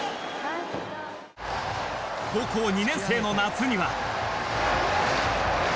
高校２年生の夏には。